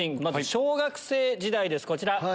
まずは小学生時代ですこちら。